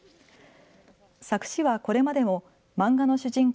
佐久市はこれまでも漫画の主人公